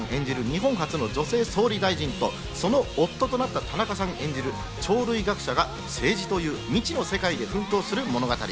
日本初の女性総理大臣とその夫となった田中さん演じる鳥類学者が政治という未知の世界で奮闘する物語。